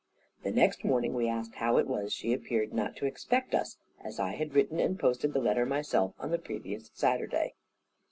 The next morning we asked how it was she appeared not to expect us, as I had written and posted the letter myself on the previous Saturday.